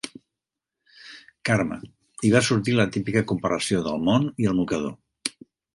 Carme, i va sortir la típica comparació del món i el mocador.